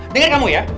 dengar kamu ya